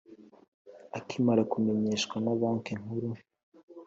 Akimara kumenyeshwa na Banki Nkuru